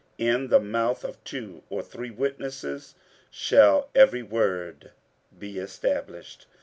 In the mouth of two or three witnesses shall every word be established.